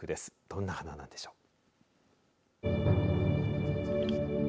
どんな花なんでしょう。